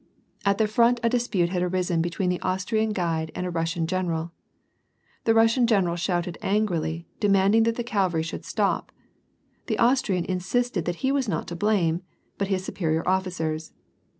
At the front a dispute had risen between the Austrian guide and a Russian general. The Russian general shouted angrily, demanding that the cavalry should stop. The Austrian in sisted that he was not to blame, but his superior officers.